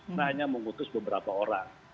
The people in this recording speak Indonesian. saya hanya mengutus beberapa orang